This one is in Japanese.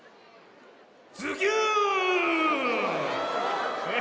ズキューン！